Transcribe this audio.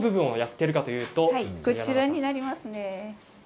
こちらになります。